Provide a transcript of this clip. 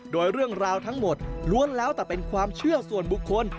โดยเรื่องราวทั้งหมดล้วนแล้วแต่เป็นความเชื่อส่วนบุคคล